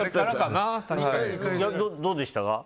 どうでしたか？